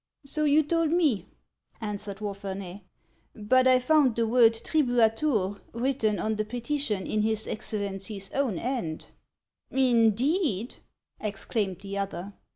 " So you told me," answered Wapherney ;" but I found the word tribuatur 1 written on the petition in his Excel lency's own hand." " Indeed !" exclaimed the other.